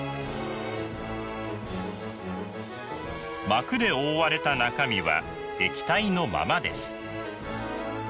膜で覆われた中身は液体のままです。